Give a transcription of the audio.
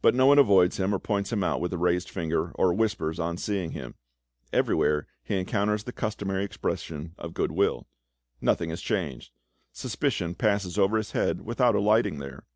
But no one avoids him, or points him out with a raised finger, or whispers on seeing him; everywhere he encounters the customary expression of goodwill. Nothing has changed; suspicion passes over his head without alighting there.